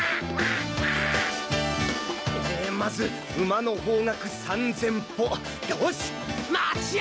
まず午の方角３０００歩よしっ！